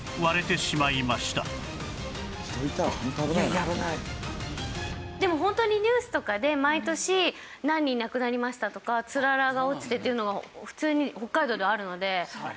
「人いたらホント危ないな」でもホントにニュースとかで毎年何人亡くなりましたとかつららが落ちてっていうのは普通に北海道ではあるので。